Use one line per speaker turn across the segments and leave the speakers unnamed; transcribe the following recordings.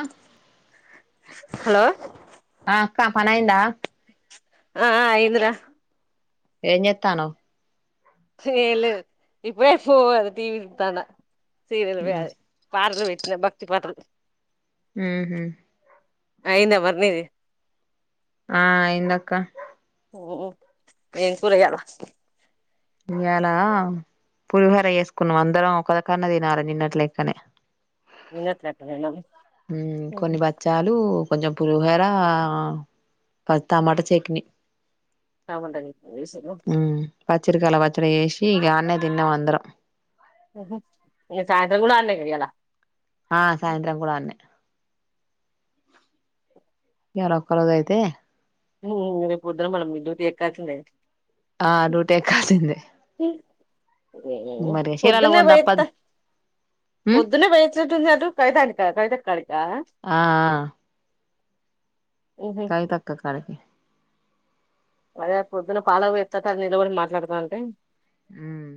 ఆహ్
హలో
అ అక్కా పనైందా?
అ అ అయింద్ర
ఏం జెత్తానావ్?
చేయాలె ఇప్పుడే పోన్, టీవి జూతన్న సీరియల్ గద్ పాటలు పెట్టిన భక్తి పాటలు
ఉహు
అయింద మర్ నీది
ఆ అయిందక్క
ఓ ఏం కూర ఇయాలా?
ఇయాలా పులిహోర చేసుకున్నాం అందరం ఒక దగ్గర తినాలలే నిన్నటి లెక్కనే
ఇన్నత్ కట్టడం
ఉమ్ కొన్ని బచ్చాలు కొంచెం పులిహోరా ప తమాట చక్నీ
టమాట ఏసిర్రా
పచ్చరికయల పచ్చడ చేసి ఇగ ఆన్నే తిన్నమందరం ఇగ
ఒహో ఇంగ సాయంత్రం కూడ అడనే కద ఇయాల
ఆ సాయంత్రం కూడ ఆన్నే ఇయాల ఒక్క రోజయితే
మ్మ్ రేపు పొద్దున మల్ల మీ డ్యూటి ఎక్కాల్సిందే
ఆ డ్యూటీ ఎక్కాల్సిందే
ఉఉ
మరి చీరాల
పొద్దున్నే
పోను
పోయత్త
తప్పదు మ్
పొద్దునే పోయోచినట్టు ఉంది అటు కవితాంటికాడిక కవితక్కడికా
ఆ కవితక్కకాడికి
అదే పొద్దున పాలకు పోయాత్తత్తంటే అ నీలబడి మాట్లాడతాంటె
ఉమ్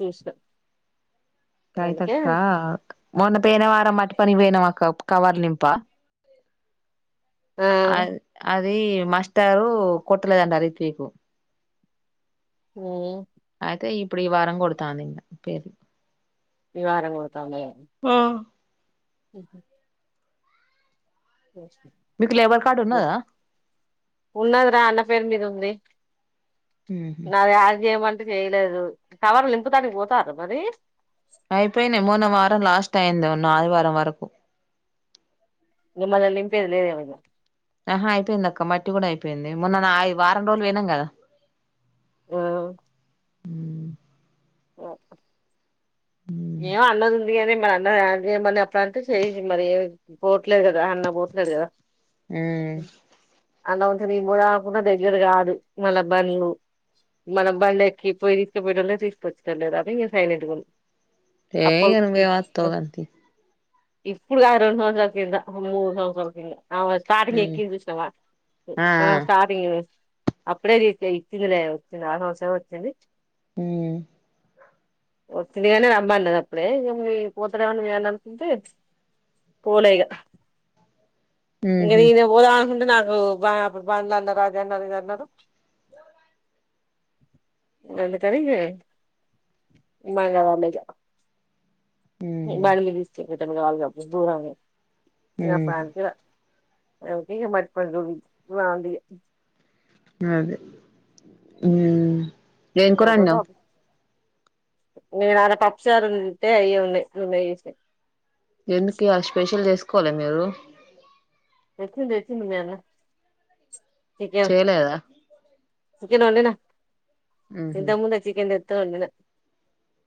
చేసిన
కవితక్క మొన్న పైన వారం మట్ పని పోయినం అక్క కవర్లు నింప
ఆ
అ అ వీ మాస్టారు కొట్టలేదంట రీత్వికు
ఉమ్
తే ఇప్పుడు ఈ వారం కొడతాందింగ పేర్లు
ఈ వారం కొడుతాంది ఏమో ఉహు్
మీకు లేబర్ కార్డు ఉన్నదా
ఉన్నదిరా అన్న పేరు మీద ఉంది
ఉహు
నాది ఆడ్ చేయమన్ చేయలేదు కవర్ నింపుతానికి పోతార్ర మరి
అయిపోయినయి మొన్న వారం లాస్ట్ అయింది మొన్న ఆదివారం వరకు
ఇంగ మల్ల నింపేది లేదేమో
ఆహా అయిపోయింది అక్క మట్టి కూడా అయిపోయింది మొన్న నా వారం రోజులు పొయినాం కదా
ఆ
ఉమ్
ఓ ఏం అన్నది ఉంది కని మరి అన్నది అప్పుడు అంటే చెయ్యి మరి పోట్లేదు కదా అన్న పోట్ ట్లేడు కదా
ఉమ్
అన్న వంక నేను పోదాం అనుకున్న దగ్గర కాదు మళ్ళబండ్లు మనం బండెక్కి పోయి తీసుకపోయేటోలు లేరు తీసుకొచ్చేటోళ్ళు లేరు అని ఇంగ సైలెంట్ గా ఉన్న
ఏ ఇగ
అప్పడు
నువ్వేం
ఇప్పు
వత్తవ్ గాని తీ
ఇప్పుడు కాదు రెండు సంవత్సరాల కింద మూడు సంవత్సరాల కింద అవు స్ట్రయింగ్ల
ఉమ్
ఎక్కింది చూసినవా ఆ స్టార్టింగ్ అప్పుడే రీతి ఇత్తందలే వతుంది ఆరు సంవస వతంది
ఉమ్
వస్తుందిగని రమ్మన్నది అప్పుడే ఏ పోతడేమొ అని మీ అనుకుంటే పోలే ఇగ
ఉహు
నీది పోదమనుకుంటే నాకు బా అప్పుడు బంలు అన్నారు అదన్నారు ఇదన్నరు అందుకనే మంగళ ఇగా
ఉహు
బండి మీద తీసకపోతాడు కావాల దూరం పోయి
ఉహు
అంతే ఇగ అది బచ్పాన్ [unintelligible] నాది
అదే ఆ
లేపోతే ఆప్ నేన్ అర పప్చారు ఉంటే ఐయే ఉన్నాయి నూనె ఏసి
ఎందుక్ ఇయాల్ స్పెషల్ చేస్కోలే మీరు
తెచ్చింద్ తెచ్చింద్ మీ అన్న చికెన్
చేయలేదా
చికెన్ ఓండినా
మ్మ్ హ్మ్
ఇంతకముందే చికెన్ తేత్తే ఓండినా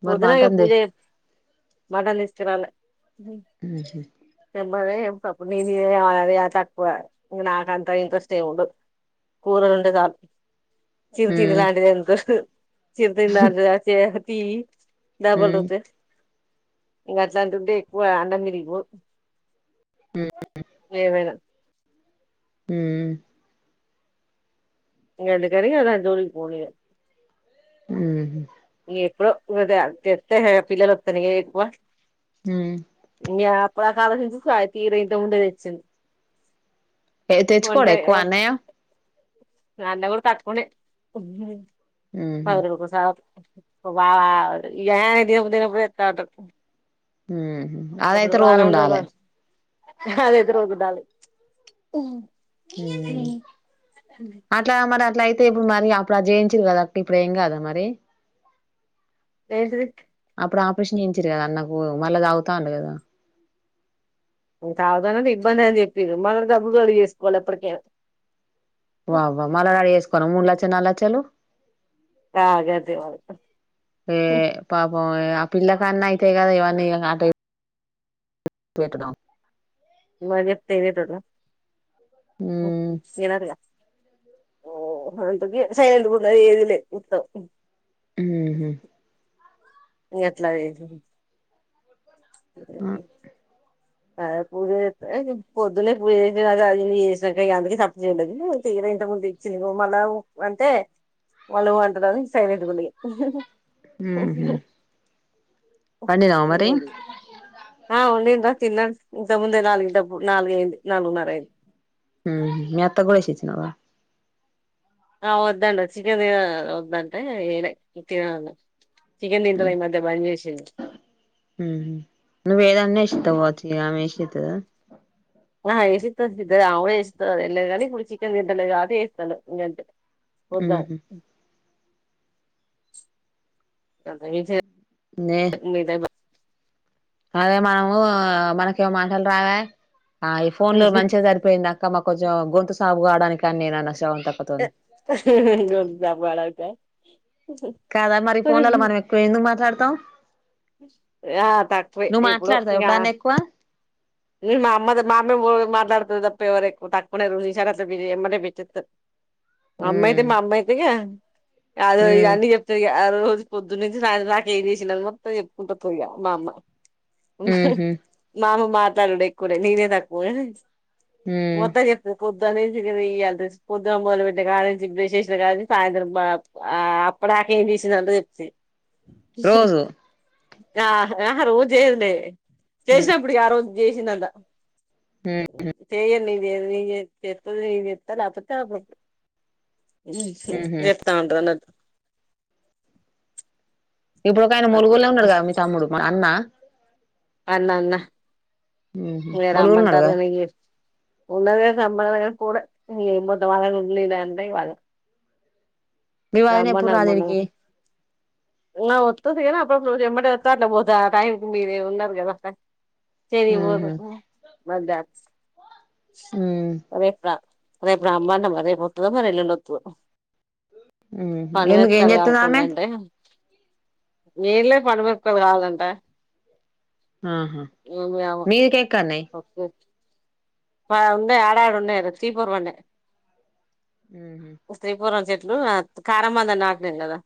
మరి
పోద్దున ఇ
మటన్ దే
పూజ మటన్ తీస్కరాల
మ్ హ్మ్
మల్ల చెప్తా అప్పుడ్ నేన్ చేయాల యా తక్కువ ఇ నాక్ అంత ఇంట్రెస్ట్ ఎమంతా ఉండవ్ కూరలుంటే చాల్ చిర్తిర్
హ్మ్
లాంటి ఇంట్రెస్ట్ చిర్తిర్ లాంటి చే తి డబల్
మ్మ్
రొట్టె ఇంకా అట్లాంటింవ్ ఉంటే ఎక్కువ అన్నం తినికు ఏవైనా
మ్
ఇంకా ఎందుకాని ఇంకా దాన్ జోలిక్ పోలే
మ్ హ్మ్
ఎప్ప్డో ఇంకా తేత్తే హె పిల్లల్ ఒత్తార్ ఇంకా ఎక్కువ
హ్మ్
ఇప్పుడ్ దాక ఆలోచింద్ పాయి తీర్ ఇంత ఉండేద్ ఇచ్చింద్
ఏ తెచ్కోడా ఎక్కువ అన్నయ్య
మీ అన్న కూడా తక్కునే
మ్మ్ హ్మ్
అరుకు స వా ఎ దినపు దినపు ఏతా ఉంటారు
మ్ అదైతే రోజ్ ఉండాలే
అదైతే రోజ్ ఉండాలే
మ్ అట్లా మర్ అట్లయి తే ఇప్పుడ్ మరి అప్పుడ్ జేయించర్ కదా అక్క ఇప్పుడ్ ఏం కాదా మరి
ఏంటిది
అప్పుడ్ ఆపరేషన్ చేయించిర్ కదా అన్నకు మళ్ళ తాగుతాండు కదా
దావ్కానా ఇబ్బంది అని చెప్పింరు మళ్ళీ డబ్బుల్గాడిగెస్కోవాలి ఎప్పట్కే
వా వా మల్ల రడీ చేస్కోలా ముడ్ లచ్చలు నాల్ లచ్చలు
ఆ గంతే మరి
ఏ పాపం ఆ పిల్లకన్నా అయితాయి కదా ఇవ్వని ఆ టై కేట్ డం
ఎమైనా చెప్తే ఇనేటోడా
ఉమ్
ఇనడ్గా ఓ అందుకే సైలెంట్ గ్ ఉన్న ఏది లే ఉత్తం
మ్ హ్మ్
ఎట్లా అయితుంద్
మ్
పొద్దునే పూజ [unintelligible] ఇగా అందుకే సప్పుడ్ చేయాలె ఇంత ముంద్ ఇచ్చింద్ మళ్ళ ఉ అంటే మళ్ళ ఉఅంటార్ అని సైలెంట్ ఉన్న ఇగా
మ్ హ్మ్ పండినావా మరీ
ఇంకేంది ఆ ఒండిన్ రా తిన్నా ఇంత ముందే నాల్గు డబ్బు నాల్గు అయింది నాల్గున్నర అయింది
మ్ మీ అత్తగూడా ఏసిచ్చినావా
ఆ ఒద్దంట చిక్కన్ దిన ఒద్దంటే ఎయిలే తిన అన్న చికెన్ తింటలే ఈ మధ్య బంద్ చేసిండ్
ఉహు నువ్ వేదన్న ఎషితవ్ కావచ్చు ఇగ ఆమె ఏషితదా
ఆ ఏషితద్ సిద్ద ఆవ్డ్ ఏస్తద్ ఎల్లే కానీ ఇప్పుడ్ చికెన్ దింట లేద్ కాబ్బటి ఏస్తలేద్ గంతే ఒద్ధాయ్
ఉహు
ఉమ్ నేన్ రీల్స్ జేస్
నే
ఈ టైంలా
అదే మనం మనాకేమో మాటలు రావయ్ ఆ ఈ ఫోన్ లో మంచిగా సరిపోయింది అక్క మాకు కొంచెం గొంతు సాఫ్ గావడానికి కాని నేను అనస్
ఎ గొంతు సాఫ్ కావడానికా
కాదా మరి ఫోన్లల మనం ఎక్కువ ఎందుకు మాట్లాడుతాం
ఆ తక్కువే
నువ్వు
ఇప్పుడు
మాట్లాడతావా
ఇగా
ఎప్పుడన్నా ఎక్కువ
ఈ మా అమ్మది మా అమ్మె వో మా నాడీపీ తప్పి ఎవరు ఎక్కు తక్కునే రో జేశారో అట్లా పిడి జెయమంటే ఎంబడే పెట్టితర్ అమ్మాయిది
ఉమ్
మా అమ్మాయిది ఇగ అదో ఇగ
ఉమ్
అన్నీ చెప్తరు ఇగ ఆ రోజు పొద్దు నుంచి సాయంత్రం దాకేం జేసిన మొ చెప్పుకుంట పోయ్ ఇగ మా అమ్మ ఆహ్ హా
ఉహు
మామ మాట్లాడు ఏక్కువ లేదు నీదేం తకు పో
ఉమ్
మొత్తం చెప్తది పోద్ [unintelligible] పొద్దునానుంచి కడ్నుంచి ఇదే ఇగా పొద్దున మోదలుపెట్టినాకడ్నుంచి బ్రష్ ఏషిన కా నుంచి సాయంత్రం గాప్ అప్పుడ ఎంజేసిందా అంత చెప్తది
రోజు
ఆహ ఆహా రోజు జేయదులే
ఉమ్
చేసినప్పుడు ఇగ ఆ రోజు చేసిదంత చేయ్యనిన్ ఇగ చేయద్ చేతల్ చెత్తల్ లేపోతే అప్పుడపుడు ఊ
ఉహు
జేప్తావుంటాది అన్నట్టు
ఇప్పుడు ఒక ఆయన
అట్లా
ములగొల్లో ఉన్నాడుగా మీ తమ్ముడు మరి అన్న
అన్న అన్న ఇగ
ములుగులో
రమ్మంటారు
ఉన్నాడుగా
గాని ఇ యప్ ఉన్నరు గాని రమనలే పోలె ఏం పోతాం వాళ్ళ నీళ్ళదంటే వాళ్లే
మీ వదిన ఎప్పుడు
రమ్మన్నరు మొన్న
రాదీడికి
నా ఒత్తది గాని అపుడప్పుడే ఎంబడే ఒత్తే అట్ల పోతది ఆ టైమ్ కి మీరు ఉన్నరు గద అక్క తిరిగి పోత
ఉహు
పో మద్ద
ఉమ్
రేపు రా రేపు రామ్మన్న మరి రేపు ఒత్తదో మరి ఏల్లుండి ఒత్తదో
ఉహు
పండు
ఎందుకు ఏం
మిరపకాయలు కావాలంటే
చేత్తది ఆమె
కొన్నంటే ఏం లే పండు మెరపకాయలు కావాలంట
ఆహా మీది కేక్కాల్
ఓకే ఆ ఉన్నయ్ ఆడాడ ఉన్నయ్ ఛీపూర వన్నె
ఉహు
తేపురం చేట్ ఉ కారంమాందా నాటినం గదా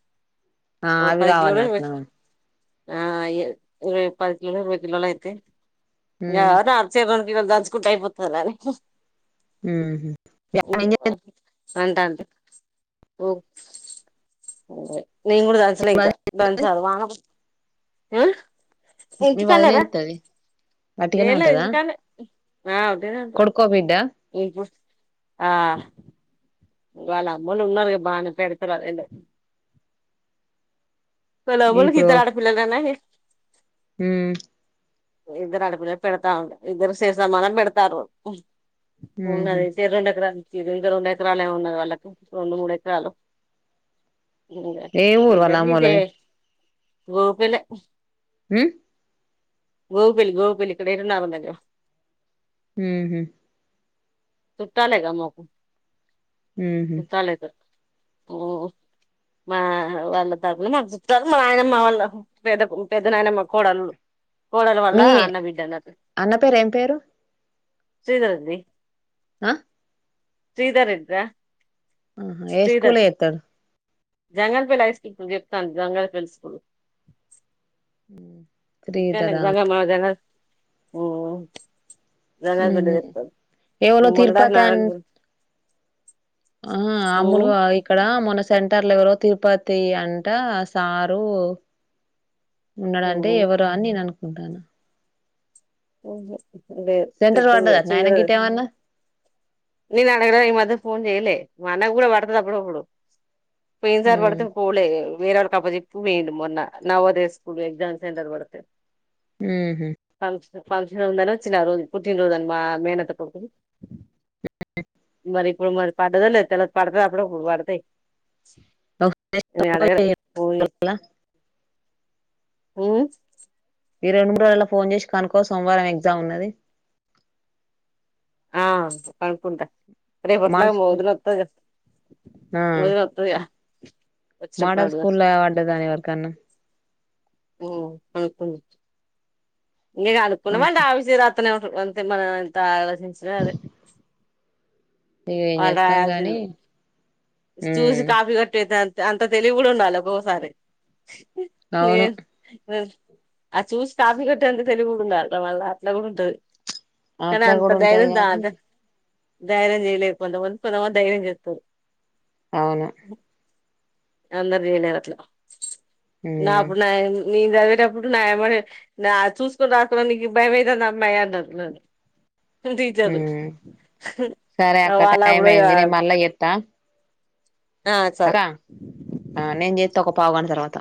ఆ
ఓ
అవి
పది కిలోలు
కావన్నట్టునా
ఆ ఇగ ఇరవై పది కిలో ఇరవై కిలోలు అయితే గా
ఉమ్
అచే కొం కిలోలు దంచుకుంటే అయిపోతలేని
ఉహు గమే ఏం జెప్పింద్
అంటటే ఓ ఒవే నేను గూడా దంచలే ఇంకా దంచాలే వాన కొ ఆ
మీ వదీనే ఏం త్తది
ఏం లే ఇంటిక్కానే ఆ ఉట్టినే ఉంటది
కొడుకో బిడ్డ
ఈపు ఆ వాళ్ళ అమ్మోలు ఉన్నారు గా బానే పెడతరు ఆ వాళ్లే వాళ్ల అమ్మోలకి
ఇప్పుడు
ఇద్దరు ఆడపిల్లలనామే
ఉమ్
ఇద్దరు ఆడపిల్లలు పెడతా ఉండే ఇద్దరు సరి సమానం పెడతారు
ఉహు
ఉన్నది షేరెండు ఎకరాలు ఇది ఇంక రొండు ఎకరాలు ఉన్నది వాళ్లకు రెండు మూడు ఎకరాలు ఇంగ
ఏ ఊరు వాళ్ళ
ఇద్దరిది జే
అమ్మోళ్ళది
గోపిలే
హ్మ్
గోబిల్ గోబిల్ ఇక్కడేడున్నా [unintelligible]
మ్ హ్మ్
చుట్టాలేగ మాకు
ఉహు
చుట్టాలైతరు మా వాళ్ళ తమ్ముడు మాకు సుట్టాలు మా నాయనమ్మ వాళ్ళ పెద్ద పెద్ద నాయనమ్మ కోడళ్ళు కోడలు వాళ్ళా
మీ
అన్న బిడ్డన్నట్లు
అన్న పేరు ఏం పేరు
శ్రీదర్ది
అ
శ్రీధర్ రెడ్డి ర
ఆహ ఏ స్కూల్లో ఏత్తడు
జంగల్పల్ హై స్కూల్ చెప్తాను జంగల్పల్ స్కూలు
మ్
ఇక్కడనే మన జంగల్పల్లి జంగల్పల్లి
ఉహు
దిక్కు
ఎవలో తిరుపతి అన్
మొన్నటిదాకా
ఆ అములువా ఇక్కడ మోన సెంటర్లేవరో తిరుపతి అంట సారూ ఉన్నాడంటే ఎవరా అని నేననుకుంటాన్నా
అదే లేద్
సెంటర్
తేతవు
పడ్డదట్నా ఆయన
కదా
గిటేమన్నా
నేను అడగలే ఈ మధ్య ఫోన్ చెయలే మా అన్న కూడా పడుతదప్పుడప్పుడు పోయిన్సారి
ఉమ్
పడితే పోలే వేరే వొళకి అప్ప జెప్పి పోయిండు మొన్న నవోదయ స్కూల్ ఎగ్జామ్ సెంటర్ పడితే
మ్ హ్మ్
ఫంక్షన్ ఫంక్షన్ ఉందనొచ్చిన ఆరోజు పుట్టినరోజనీ మా మేనత్త కొడుకుది మరి ఇప్పుడు మరి పడ్డదో లేదో తెలవద్ పడుతదప్పుడప్పుడు పడతాయి నేన్ అడగలే పోనీ
ఒకసాల
మ్
ఈ రెండు మూడు రోజులో ఫోన్ చేసి కనుకో సోమవారం ఎగ్జామ్ ఉన్నది
ఆ కనుకుంటా
మాల్
రేపెట్లాగో మా
స్కూల్
వదినొత్తది కదా
ఆ
వచ్చినప్పుడు
మోడల్
అడుగుదాం
స్కూల్లా పడ్డదా ఎవరికన్నా
మ్ పడ్డట్టుంది నేను అనుకున్నా
కనుకో
వాళ్లు అంతే మనం ఎంత ఆలోచించినా అదే
ఇగ ఏం చెత్తాం గాని
ఆల్రాయల్సిందే చూసి
ఉమ్
కాపీ కొట్టేట అంత తెలివి కూడా ఉండాలి ఒకొక్సారి
అవును
నేను ఆ చూసి కాఫీ కట్టే అంత తెలివీ కూడా ఉండాల మళ్ళ అట్లా కూడుంటది కానీ
అట్లా
అంత
కూడా ఉంటది
ధైర్యం
గాని
దాగ ధైర్యం చేయలేర్ కొంతమంది కొంతమంది ధైర్యం చేత్తరు
అవును
అందర్ చేయలేరట్ల
ఉమ్
నాకు నాయి నేను చదివేటప్పుడు నా ఏమడి చూసుకొని రాసుకొనిడాకి నీకి భయంమవుతుందమ్మాయి అనంటున్నారు టీచరు
ఉమ్ సరే అక్క టైమ్
వాళ్ళప్పుడు
అయింది నేను మళ్ళా జేత్తా
ఆ సరే
అక్క నేన్ జేత్తా ఒక పావుగంట తర్వాత